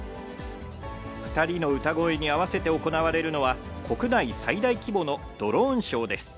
２人の歌声に合わせて行われるのは、国内最大規模のドローンショーです。